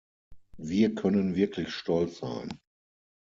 Wir können wirklich stolz sein.